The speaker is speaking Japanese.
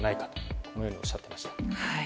このようにおっしゃっていました。